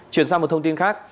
chuyển sang một thông tin khác